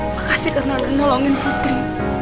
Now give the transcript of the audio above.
makasih karena udah nolongin putri